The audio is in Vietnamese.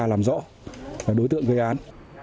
làm rõ đối tượng gây án